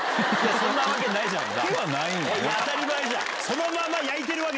そんなわけないじゃんか。